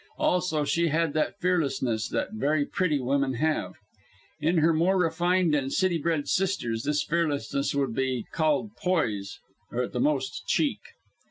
Also she had that fearlessness that very pretty women have. In her more refined and city bred sisters this fearlessness would be called poise, or, at the most, "cheek."